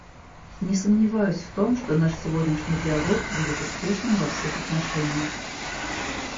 Не сомневаюсь в том, что наш сегодняшний диалог будет успешным во всех отношениях.